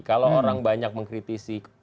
kalau orang banyak mengkritisi